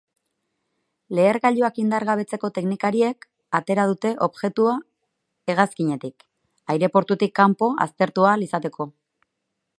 Lehergailuak indargabetzeko teknikariek atera dute objektua hegazkinetik, aireportutik kanpo aztertu ahal izateko.